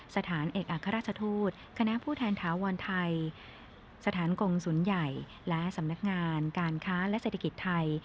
สถานเอกอัครราชทูตคณะผู้แทนถาวรไทยสถานกงศูนย์ใหญ่และสำนักงานการค้าและเศรษฐกิจไทย